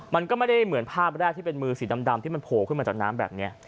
มันก็ไม่ได้เหมือนภาพแรกที่เป็นมือสีดำที่มันโผล่ขึ้นมาจากน้ำแบบนี้